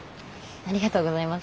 ありがとうございます。